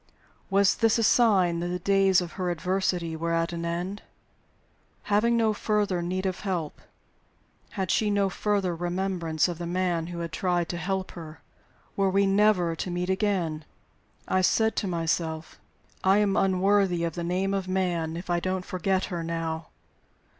Was this a sign that the days of her adversity were at an end? Having no further need of help, had she no further remembrance of the man who had tried to help her? Were we never to meet again? I said to myself: "I am unworthy of the name of man if I don't forget her now!"